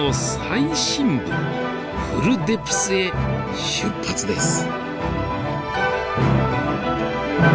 フルデプスへ出発です。